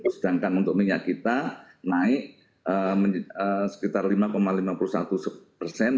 sedangkan untuk minyak kita naik sekitar lima lima puluh satu persen